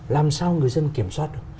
làm sao người dân kiểm soát được